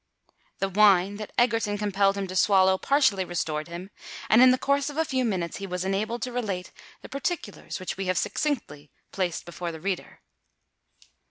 The wine that Egerton compelled him to swallow partially restored him; and in the course of a few minutes he was enabled to relate the particulars which we have succinctly placed before the reader.